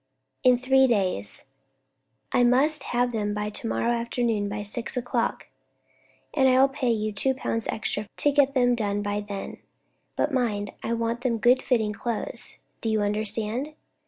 "In three days." "I must have them by to morrow afternoon, by six o'clock, and I will pay you two pounds extra to get them done by then. But mind, I want good fitting clothes. Do you understand?"